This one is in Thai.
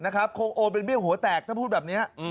แต่ยอดไปที่สูงคงโอนเป็นเบี้ยงหัวแตกถ้าพูดแบบเนี่ย